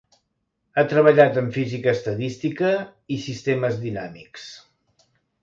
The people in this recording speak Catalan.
Ha treballat en física estadística i sistemes dinàmics.